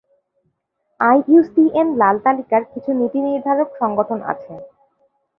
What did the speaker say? IUCN লাল তালিকার কিছু নীতি-নির্ধারক সংগঠন আছে।